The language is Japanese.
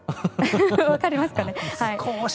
わかりますかね？